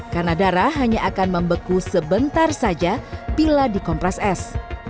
karena darah hanya akan membeku sebentar saja bila dikompres es